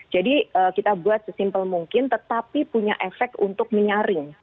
jadi kita buat sesimpel mungkin tetapi punya efek untuk menyaring